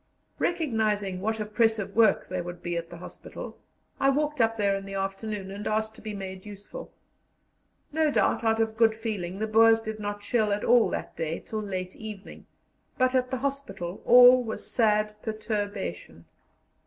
Recognizing what a press of work there would be at the hospital, I walked up there in the afternoon, and asked to be made useful. No doubt out of good feeling, the Boers did not shell at all that day till late evening, but at the hospital all was sad perturbation.